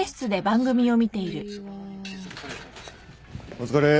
お疲れ。